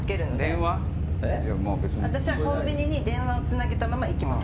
私はコンビニに電話をつなげたまま行きます。